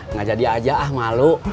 nggak jadi aja ah malu